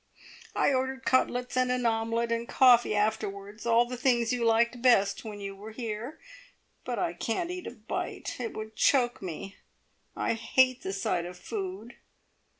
"I ordered cutlets, and an omelette, and coffee afterwards. All the things you liked best when you were here. But I can't eat a bite. It would choke me. I hate the sight of food."